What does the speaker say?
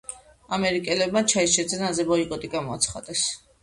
ამერიკელებმა ჩაის შეძენაზე ბოიკოტი გამოაცხადეს.